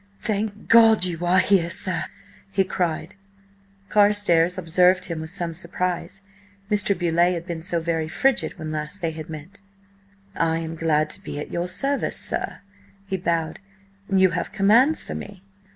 "Thank God you are here, sir!" he cried. Carstares observed him with some surprise. Mr. Beauleigh had been so very frigid when last they had met. "I am glad to be at your service, sir," he bowed. "You have commands for me?"